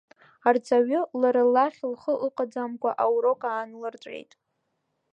Арҵаҩы, лара лахь лхы ыҟаӡамкәа, аурок аанлырҵәеит.